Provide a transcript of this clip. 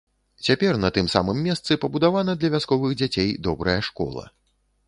Цяпер на тым самым месцы пабудавана для вясковых дзяцей добрая школа.